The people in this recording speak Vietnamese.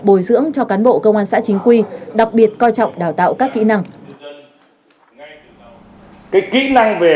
bồi dưỡng cho cán bộ công an xã chính quy đặc biệt coi trọng đào tạo các kỹ năng